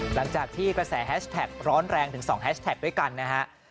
หลังจากที่กระแสแถ็กแถ็กร้อนแรงถึงสองแถ็กบ้างกันนะฮะ